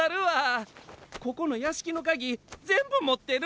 ここのやしきのかぎぜんぶもってるんや。